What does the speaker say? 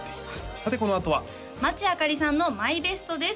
さてこのあとは町あかりさんのＭＹＢＥＳＴです